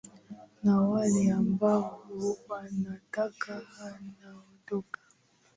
na wale ambao wanataka aondoke